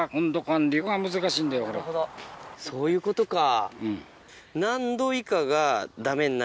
そういうことか。